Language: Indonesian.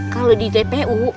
kalau di tpu